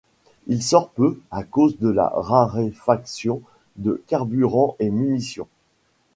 Il sort peu, à cause de la raréfaction de carburant et munitions.